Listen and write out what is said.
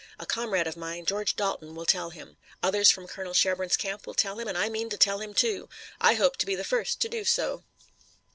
A comrade of mine, George Dalton, will tell him. Others from Colonel Sherburne's camp will tell him, and I mean to tell him too. I hope to be the first to do so."